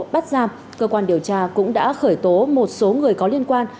bắt giam cơ quan điều tra cũng đã khởi tố một số người có liên quan